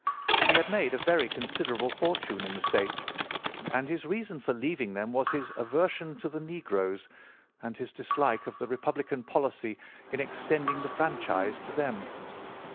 He had made a very considerable fortune in the States, and his reason for leaving them was his aversion to the negroes, and his dislike of the Republican policy in extending the franchise to them.